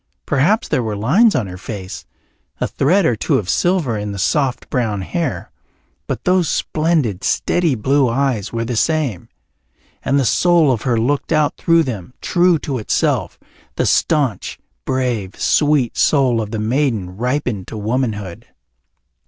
Perhaps there were lines on her face, a thread or two of silver in the soft brown hair, but those splendid steady blue eyes were the same, and the soul of her looked out through them, true to itself, the staunch, brave, sweet soul of the maiden ripened to womanhood.